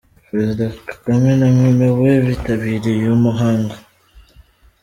Perezida Kagame na Mme we bitabiriye uyu muhango